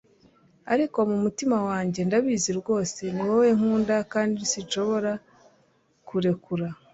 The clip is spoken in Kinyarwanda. Ariko mu mutima wanjye ndabizi rwose, ni wowe nkunda, kandi sinshobora kurekura